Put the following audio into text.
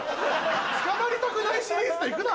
つかまりたくないシリーズで行くな。